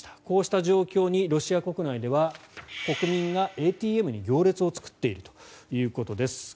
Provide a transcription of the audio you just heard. こうした状況にロシア国内では国民がＡＴＭに行列を作っているということです。